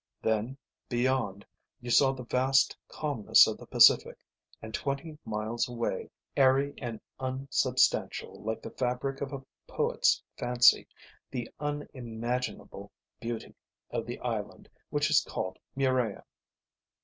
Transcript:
Then, beyond, you saw the vast calmness of the Pacific and twenty miles away, airy and unsubstantial like the fabric of a poet's fancy, the unimaginable beauty of the island which is called Murea.